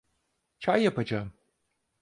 Çay yapacağım.